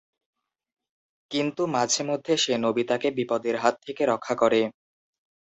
কিন্তু মাঝে মধ্যে সে নোবিতা-কে বিপদের হাত থেকে রক্ষা করে।